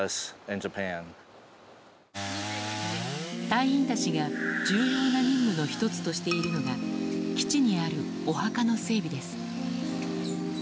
隊員たちが重要な任務の１つとしているのが基地にある、お墓の整備です。